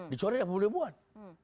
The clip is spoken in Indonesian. dicoret apa boleh buat